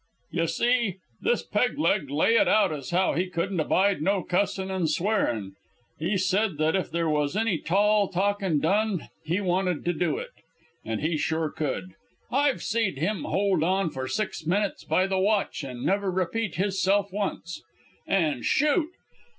"Y'see, this Peg leg lay it out as how he couldn't abide no cussin' an' swearin'. He said if there was any tall talkin' done he wanted to do it. And he sure could. I've seed him hold on for six minutes by the watch an' never repeat hisself once. An' shoot!